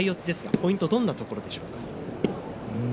ポイントはどんなところですか。